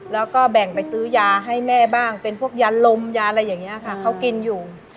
แล้วก็แบ่งไปซื้อยาให้แม่บ้างเป็นพวกยาลมยาอะไรอย่างนี้ค่ะเขากินอยู่